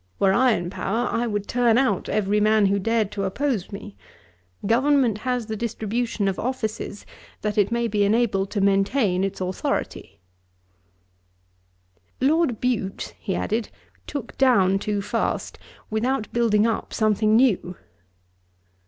Were I in power, I would turn out every man who dared to oppose me. Government has the distribution of offices, that it may be enabled to maintain its authority.' 'Lord Bute (he added,) took down too fast, without building up something new.'